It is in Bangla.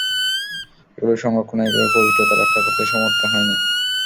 এগুলো সংরক্ষণ ও এগুলোর পবিত্রতা রক্ষা করতে সমর্থ হয়নি।